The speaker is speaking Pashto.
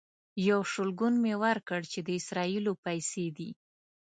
یو شلګون مې ورکړ چې د اسرائیلو پیسې دي.